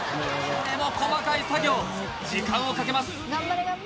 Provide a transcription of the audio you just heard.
これも細かい作業時間をかけます